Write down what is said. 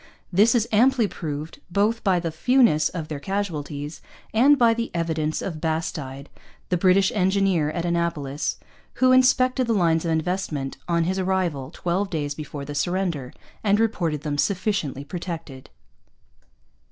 This is amply proved both by the fewness of their casualties and by the evidence of Bastide, the British engineer at Annapolis, who inspected the lines of investment on his arrival, twelve days before the surrender, and reported them sufficiently protected.